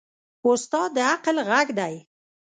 استاد د عقل غږ دی.